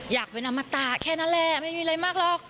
อยากเป็นอมตะแค่นั้นแหละไม่มีอะไรมากหรอก